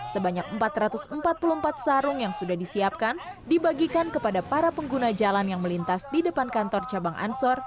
sebanyak empat ratus empat puluh empat sarung yang sudah disiapkan dibagikan kepada para pengguna jalan yang melintas di depan kantor cabang ansor